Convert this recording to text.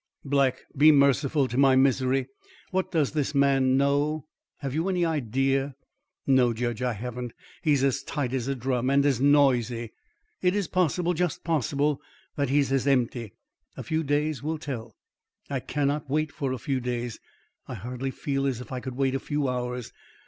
"Black, be merciful to my misery. What does this man know? Have you any idea?" "No, judge, I haven't. He's as tight as a drum, and as noisy. It is possible just possible that he's as empty. A few days will tell." "I cannot wait for a few days. I hardly feel as if I could wait a few hours.